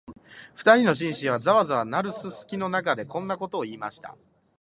二人の紳士は、ざわざわ鳴るすすきの中で、こんなことを言いました